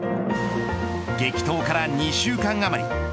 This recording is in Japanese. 激闘から２週間あまり